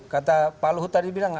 kata pak luhut tadi bilang